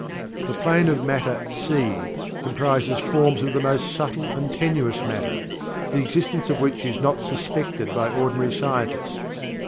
The Plane of Matter (C) comprises forms of the most subtle and tenuous Matter, the existence of which is not suspected by ordinary scientists.